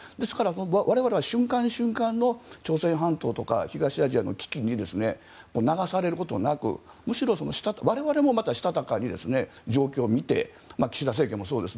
我々は瞬間、瞬間の朝鮮半島とか東アジアの危機に流されることなくむしろ我々もまだしたたかに状況を見て岸田政権もそうです。